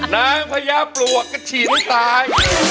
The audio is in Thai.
นางพญาปลวกกระฉินตาย